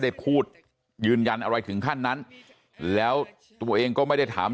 ได้พูดยืนยันอะไรถึงขั้นนั้นแล้วตัวเองก็ไม่ได้ถาม